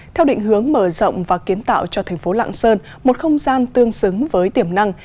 theo định hướng mở rộng và kiến tạo cho thành phố lạng sơn một không gian tương xứng với tiềm năng